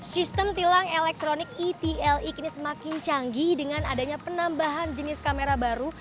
sistem tilang elektronik etli kini semakin canggih dengan adanya penambahan jenis kamera baru